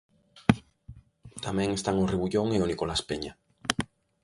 Tamén están o Rebullón e o Nicolás Peña.